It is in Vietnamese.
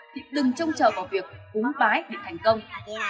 thì đừng trông chờ vào việc cúng bái để thành công